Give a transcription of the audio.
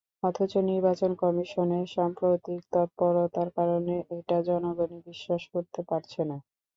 অথচ নির্বাচন কমিশনের সাম্প্রতিক তৎপরতার কারণে এটা জনগণই বিশ্বাস করতে পারছে না।